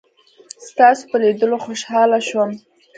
ستاسو په لیدلو خوشحاله شوم.